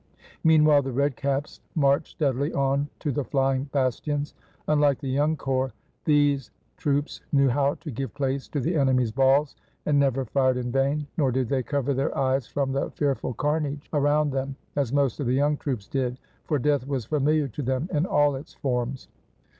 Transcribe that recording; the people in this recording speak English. Meanwhile the red caps marched steadily on to the flying bastions. Unlike the young corps, these troops knew how to give place to the enemy's balls, and never fired in vain; nor did they cover their eyes from the fear ful carnage around them, as most of the young troops did, for death was familiar to them in all its forms.